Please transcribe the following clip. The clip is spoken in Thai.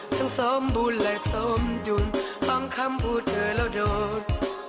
ทั้งสมบูรณ์และสมยุนต้องคำพูดเธอแล้วโดด